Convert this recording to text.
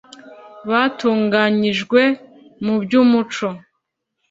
Batunganyijwe mu by umuco